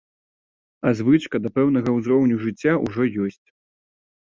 А звычка да пэўнага ўзроўню жыцця ўжо ёсць.